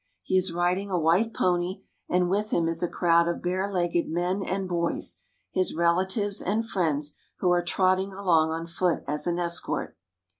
He is riding a white pony, and with him is a crowd of barelegged men and boys, his relatives and friends, who are trotting along on foot as an escort.